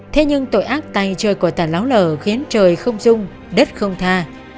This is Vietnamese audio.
thế nhưng tội ác tay chơi của tàn láo lở khiến trời không rung đất không tha